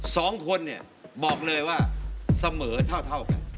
สองคนเนี่ยบอกเลยว่าเสมอเท่ากัน